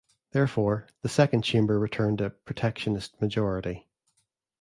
Therefore, the Second Chamber returned a protectionist majority.